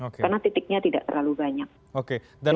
karena titiknya tidak terlalu banyak